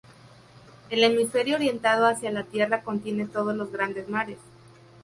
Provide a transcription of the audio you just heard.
El hemisferio orientado hacia la Tierra contiene todos los grandes mares.